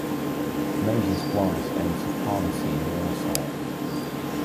Moses Weiss owns a pharmacy in Warsaw.